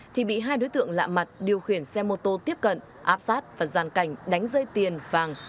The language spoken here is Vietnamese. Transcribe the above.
thì bị hai đối tượng lạ mặt điều khiển xe mô tô tiếp cận áp sát và giàn cảnh đánh dây tiền vàng